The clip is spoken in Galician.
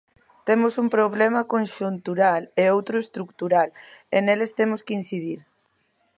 Temos un problema conxuntural e outro estrutural, e neles temos que incidir.